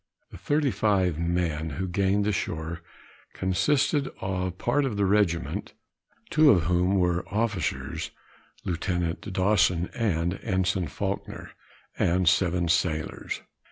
The thirty five men who gained the shore, consisted of part of the regiment, two of whom were officers, Lieutenant Dawson and Ensign Faulkner, and seven sailors.